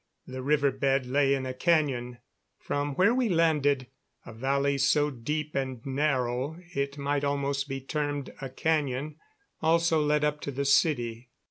The river bed lay in a cañon. From where we landed, a valley so deep and narrow, it might almost be termed a cañon, also led up to the city.